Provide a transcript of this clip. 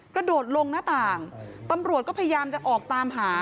กระโดดลงหน้าต่างตำรวจก็พยายามจะออกตามหา